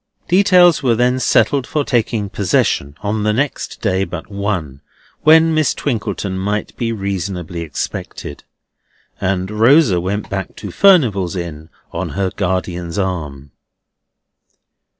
Details were then settled for taking possession on the next day but one, when Miss Twinkleton might be reasonably expected; and Rosa went back to Furnival's Inn on her guardian's arm.